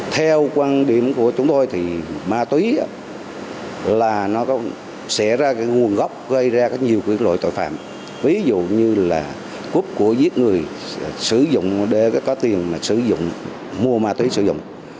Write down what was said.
theo quan điểm của chúng tôi thì ma túy là nó sẽ ra cái nguồn gốc gây ra rất nhiều loại tội phạm ví dụ như là cúp của giết người sử dụng để có tiền sử dụng mua ma túy sử dụng